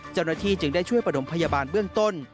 เจ้าหน้าที่จึงได้ช่วยประถมพยาบาลเบื้องต้น